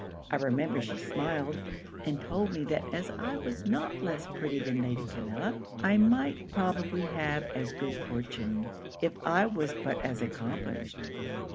I remember she smiled, and told me that as I was not less pretty than Lady Camilla, I might probably have as good fortune, if I was but as accomplished.